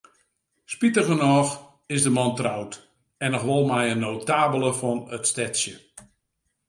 Spitigernôch is de man troud, en noch wol mei in notabele fan it stedsje.